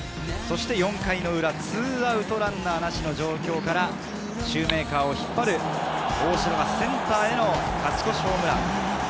そして４回裏、２アウトランナーなしの状況から、シューメーカーを引っ張る大城のセンターへ勝ち越しホームラン。